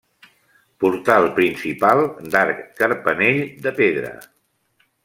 Portal principal d'arc carpanell de pedra.